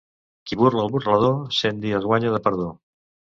Qui burla al burlador, cent dies guanya de perdó.